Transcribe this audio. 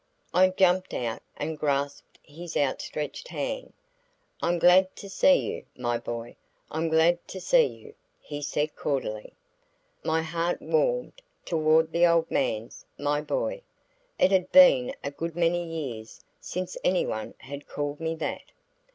I jumped out and grasped his outstretched hand. "I'm glad to see you, my boy! I'm glad to see you," he said cordially. My heart warmed toward the old man's "my boy." It had been a good many years since anyone had called me that.